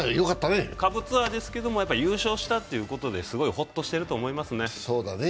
下部ツアーですけど優勝したということですごいホッとしてると思いますね。